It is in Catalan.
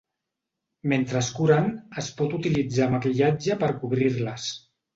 Mentre es curen, es pot utilitzar maquillatge per cobrir-les.